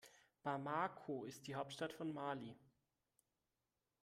Bamako ist die Hauptstadt von Mali.